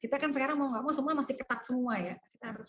kita kan sekarang mau gak mau semua masih ketat semua ya